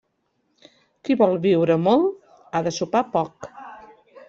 Qui vol viure molt, ha de sopar poc.